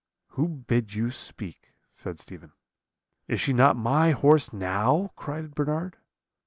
"'Who bid you speak?' said Stephen. "'Is she not my horse now?' cried Bernard.